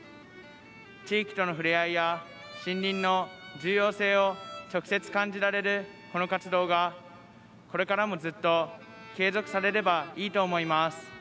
地域とのふれあいや森林の重要性を直接感じられるこの活動が、これからもずっと継続されればいいと思います。